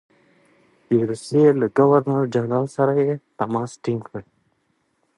د روسیې له ګورنر جنرال سره یې تماس ټینګ کړ.